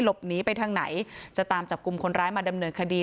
หลบหนีไปทางไหนจะตามจับกลุ่มคนร้ายมาดำเนินคดี